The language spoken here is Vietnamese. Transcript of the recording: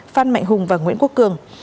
phan mạnh hùng và nguyễn quốc cường